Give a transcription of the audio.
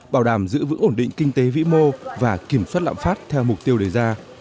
bảo đảm giữ vững ổn định kinh tế vĩ mô và kiểm soát lạm phát theo mục tiêu đề ra